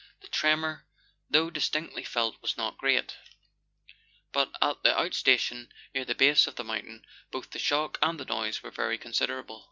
The tremor, though distinctly felt, was not great ; but at the out station, near the base of the mountain, both the shock and the noise were very considerable.